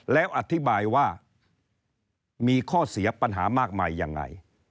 แล้วอธิบายว่ามีข้อเสียปัญหามากมายยังไง